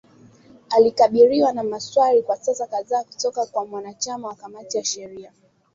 Alikabiliwa na maswali kwa saa kadhaa kutoka kwa wanachama wa kamati ya sheria,